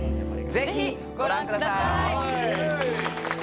ぜひご覧ください